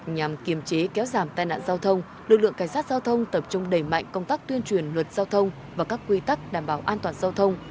nhằm kiềm chế kéo giảm tai nạn giao thông lực lượng cảnh sát giao thông tập trung đẩy mạnh công tác tuyên truyền luật giao thông và các quy tắc đảm bảo an toàn giao thông